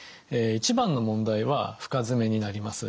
一番の問題は深爪になります。